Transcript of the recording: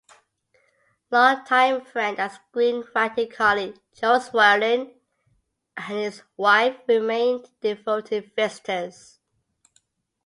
Long time friend and screenwriting colleague Jo Swerling and his wife remained devoted visitors.